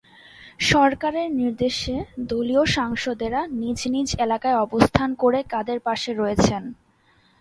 সরকারের নির্দেশে দলীয় সাংসদেরা নিজ নিজ এলাকায় অবস্থান করে কাদের পাশে রয়েছেন?